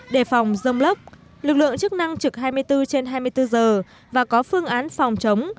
đề phòng rông lốc lực lượng chức năng trực hai mươi bốn trên hai mươi bốn giờ và có phương án phòng chống